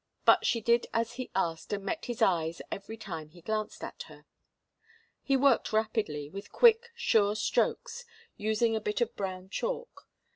But she did as he asked and met his eyes every time he glanced at her. He worked rapidly, with quick, sure strokes, using a bit of brown chalk.